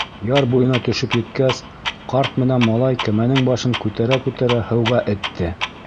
Яр буйына төшөп еткәс, ҡарт менән малай кәмәнең башын күтәрә-күтәрә һыуға этте.